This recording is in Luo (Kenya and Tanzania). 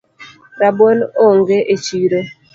Rabuon onge echiro